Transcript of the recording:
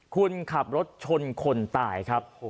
คุณขับรถชนคนตายครับ